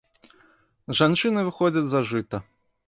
Жанчыны выходзяць за жыта.